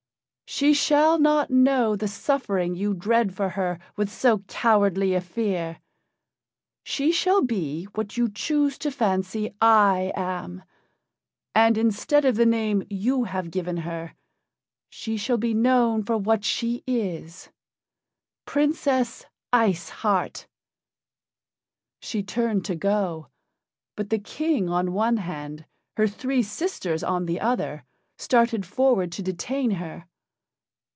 She shall not know the suffering you dread for her with so cowardly a fear. She shall be what you choose to fancy I am. And instead of the name you have given her, she shall be known for what she is Princess Ice Heart." She turned to go, but the King on one hand, her three sisters on the other, started forward to detain her.